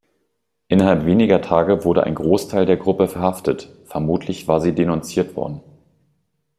Innerhalb weniger Tage wurde ein Großteil der Gruppe verhaftet; vermutlich war sie denunziert worden.